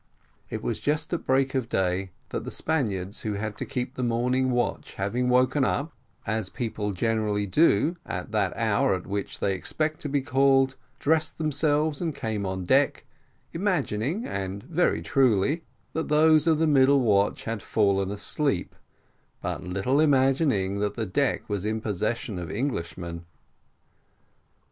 It was just at break of day that the Spaniards who had to keep the morning watch having woke up, as people generally do at that hour at which they expect to be called, dressed themselves and came on deck, imagining, and very truly, that those of the middle watch had fallen asleep, but little imagining that the deck was in possession of Englishmen.